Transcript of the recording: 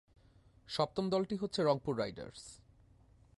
সপ্তম দলটি হচ্ছে রংপুর রাইডার্স।